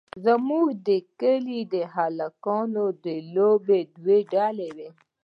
زموږ د کلي د هلکانو د لوبو دوه ډلې وې.